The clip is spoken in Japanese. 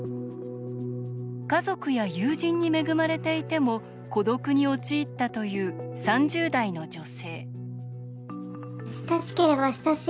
家族や友人に恵まれていても孤独に陥ったという３０代の女性。